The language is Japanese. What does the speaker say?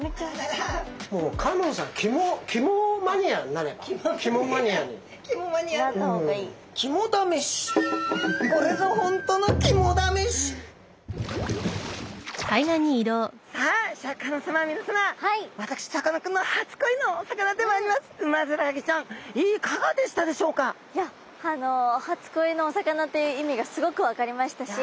いやあの初恋のお魚といういみがすごく分かりましたし